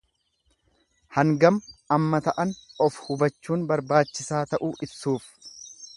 Hangam amma ta'an of hubachuun barbaachisaa ta'uu ibsuuf.